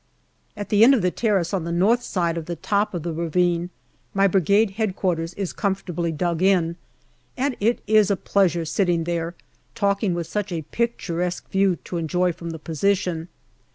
At the end of the terrace on the north side of the top of the ravine, my Brigade H.Q. is comfortably dug in, and it is a pleasure sitting there talking, with such a picturesque view to enjoy from the position.